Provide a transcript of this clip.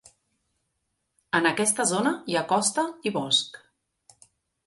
En aquesta zona hi ha costa i bosc.